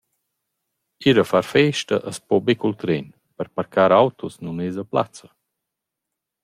Ir a festa as po be cul tren, per parcar autos nun esa plazza.